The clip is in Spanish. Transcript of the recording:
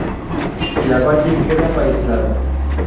Lavalle quedaba aislado.